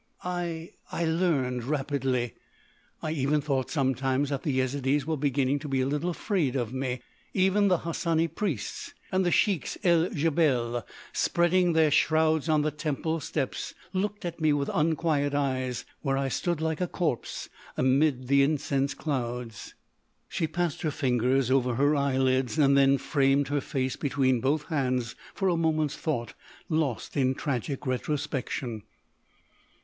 "I—I learned—rapidly. I even thought, sometimes, that the Yezidees were beginning to be a little afraid of me,—even the Hassani priests.... And the Sheiks el Djebel, spreading their shrouds on the temple steps, looked at me with unquiet eyes, where I stood like a corpse amid the incense clouds——" She passed her fingers over her eyelids, then framed her face between both hands for a moment's thought lost in tragic retrospection.